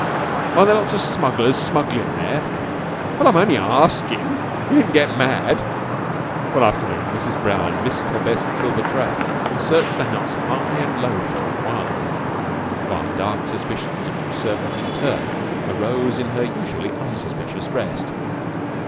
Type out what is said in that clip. "Are there lots of smugglers smugglin' there?" "Well, I'm only askin', you needn't get mad!" One afternoon Mrs. Brown missed her best silver tray and searched the house high and low for it wildly, while dark suspicions of each servant in turn arose in her usually unsuspicious breast.